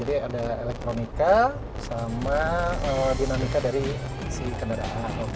jadi ada elektronika sama dinamika dari si kendaraan